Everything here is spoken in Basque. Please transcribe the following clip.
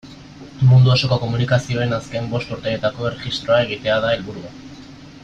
Mundu osoko komunikazioen azken bost urteetako erregistroa egitea da helburua.